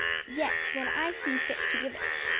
"Yes, when I see fit to give it.